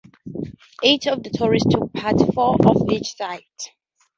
Eight of the tourists took part; four on each side.